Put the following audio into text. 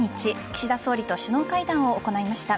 岸田総理と首脳会談を行いました。